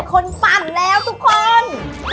จะเป็นคนปั่นแล้วทุกคน